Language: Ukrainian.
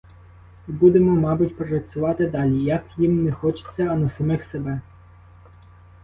І будемо, мабуть, працювати далі, і як їм не хочеться, а на самих себе.